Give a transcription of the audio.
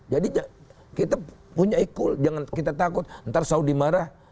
jadi kita punya ikut jangan kita takut nanti saudi marah